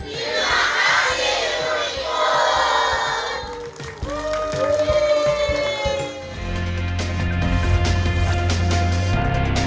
terima kasih irma